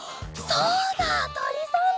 そうだとりさんだ。